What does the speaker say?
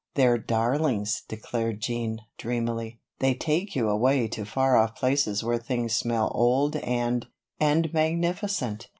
"They're darlings," declared Jean, dreamily. "They take you away to far off places where things smell old and and magnificent."